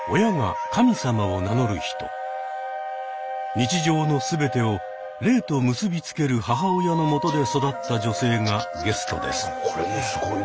日常のすべてを霊と結びつける母親のもとで育った女性がゲストです。